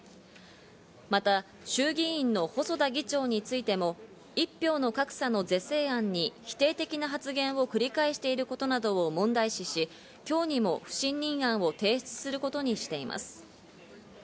また衆議院の細田議長についても１票の格差の是正案に否定的な発言を繰り返していることなどを問題視し、今日にも不信任案を提出することにしています。